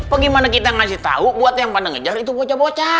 bagaimana kita ngasih tahu buat yang pada ngejar itu bocah bocah